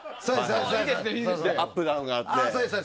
アップダウンがあって。